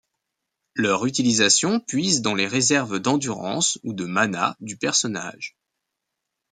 Leur utilisation puise dans les réserves d'endurance ou de mana du personnage.